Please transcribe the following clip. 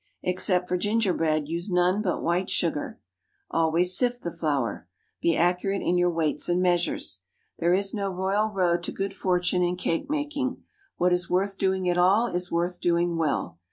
Except for gingerbread, use none but white sugar. Always sift the flour. Be accurate in your weights and measures. _There is no royal road to good fortune in cake making. What is worth doing at all is worth doing well.